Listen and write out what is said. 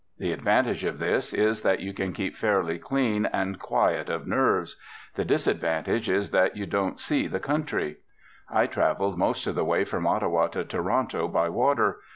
The advantage of this is that you can keep fairly clean and quiet of nerves; the disadvantage is that you don't 'see the country.' I travelled most of the way from Ottawa to Toronto by water.